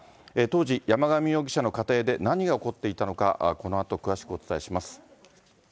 当時、山上容疑者の家庭で何が起こっていたのか、このあと詳しくお伝えします。